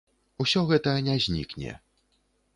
Усё гэта не знікне.